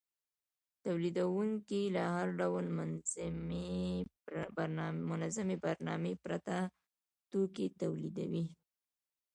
تولیدونکي له هر ډول منظمې برنامې پرته توکي تولیدوي